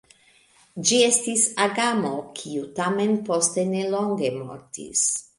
Ĝi estis agamo, kiu tamen post nelonge mortis.